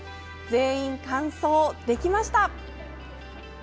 全員完走できました！